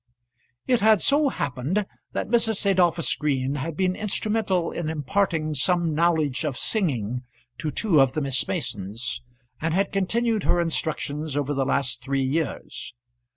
It had so happened that Mrs. Adolphus Green had been instrumental in imparting some knowledge of singing to two of the Miss Masons, and had continued her instructions over the last three years.